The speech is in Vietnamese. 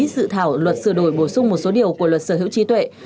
dự thảo luật sửa đổi bổ sung một số điều của luật sở hữu trí tuệ